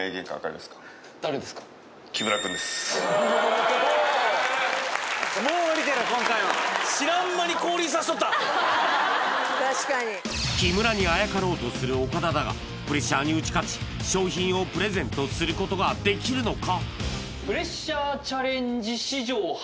何とここですることに確かに木村にあやかろうとする岡田だがプレッシャーに打ち勝ち賞品をプレゼントすることができるのか？